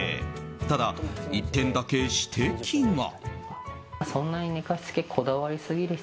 ただ一点だけ指摘が。